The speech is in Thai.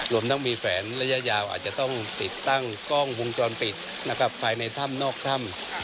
รวมทั้งมีแฝนระยะยาวอาจจะต้องติดตั้งกล้องวงจรปิดนะครับภายในถ้ำนอกถ้ำ